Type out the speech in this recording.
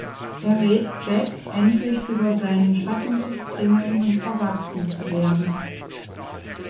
Er rät Jack, endlich über seinen Schatten zu springen und erwachsen zu werden.